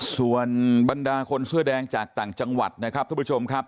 ส่วนบรรดาคนเสื้อแดงจากต่างจังหวัดนะครับทุกผู้ชมครับ